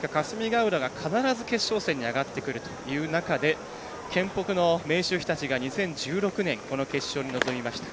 霞ヶ浦が必ず決勝戦に上がってくるという中で県北の明秀日立が２０１６年この決勝に臨みました。